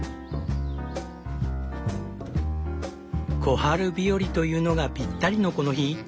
小春日和というのがぴったりのこの日。